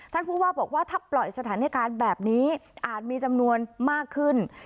ผู้ว่าบอกว่าถ้าปล่อยสถานการณ์แบบนี้อาจมีจำนวนมากขึ้น